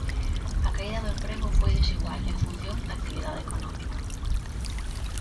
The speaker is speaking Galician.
A caída do emprego foi desigual en función da actividade económica.